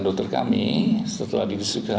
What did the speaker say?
tim dokter kami setelah